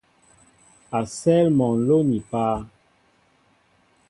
A sέέl mɔ nló ni páá.